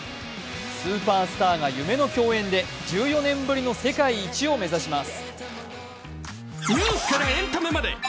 スーパースターが夢の共演で１４年ぶりの世界一を目指します。